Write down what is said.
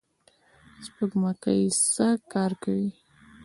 سپوږمکۍ څه کار کوي؟